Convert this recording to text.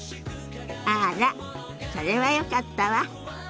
あらそれはよかったわ。